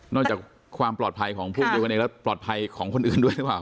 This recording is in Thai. จากความปลอดภัยของพวกเดียวกันเองแล้วปลอดภัยของคนอื่นด้วยหรือเปล่า